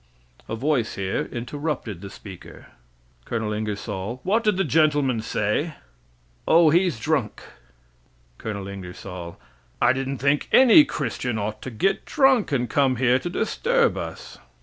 [A voice here interrupted the speaker. Col. Ingersoll What did the gentleman say? A voice O, he's drunk. Col. Ingersoll I didn't think any Christian ought to get drunk and come here to disturb us.